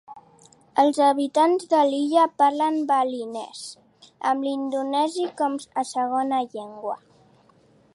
Els habitants de l'illa parlen balinès, amb l'indonesi com a segona llengua.